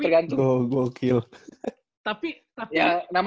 kayak gitu sih gue tergantung